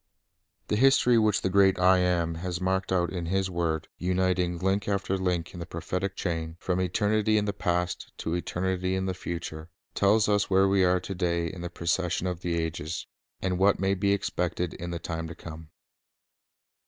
The history which the great I AM has marked out in His word, uniting link after link in the prophetic chain, from eternity in the past to eternity in the future, tells us where we are to day in the procession of the ages, and what may be expected in the time to come.